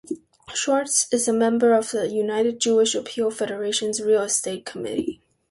Schwartz is a member of the United Jewish Appeal Federations's real estate committee.